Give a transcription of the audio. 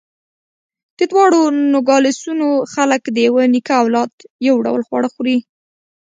د دواړو نوګالسونو خلک د یوه نیکه اولاد، یو ډول خواړه خوري.